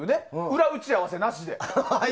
裏打ち合わせなしで。